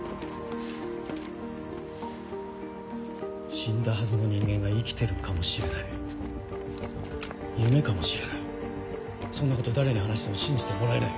死んだはずの人間が生きてるかもしれない夢かもしれないそんなこと誰に話しても信じてもらえない。